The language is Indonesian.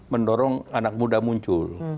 mendorong anak muda muncul